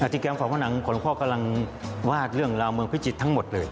กิจกรรมของผนังของพ่อกำลังวาดเรื่องราวเมืองพิจิตรทั้งหมดเลย